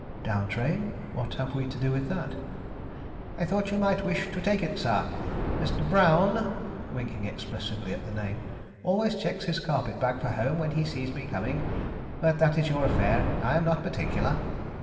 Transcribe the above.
"Down train? What have we to do with that?" "I thought you might wish to take it, sir. Mr. Brown" winking expressively at the name, "always checks his carpet bag for home when he sees me coming. But that is your affair; I am not particular."